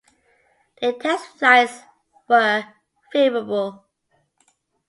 Their test flights were favorable.